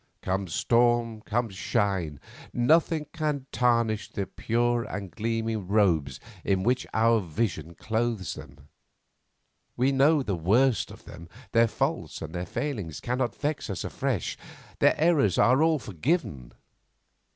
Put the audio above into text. Come storm, come shine, nothing can tarnish the pure and gleaming robes in which our vision clothes them. We know the worst of them; their faults and failings cannot vex us afresh, their errors are all forgiven.